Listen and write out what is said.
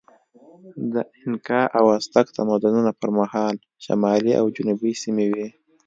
د اینکا او ازتک تمدنونو پر مهال شمالي او جنوبي سیمې وې.